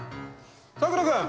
さくら君。